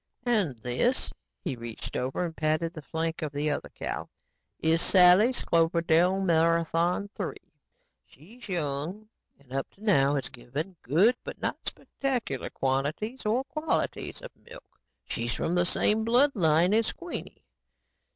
And this," he reached over and patted the flank of the other cow, "is Sally's Cloverdale Marathon III. She's young and up to now has given good but not spectacular quantities or qualities of milk. She's from the same blood line as Queenie.